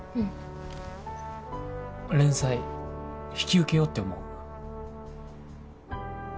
連載引き受けようって思う。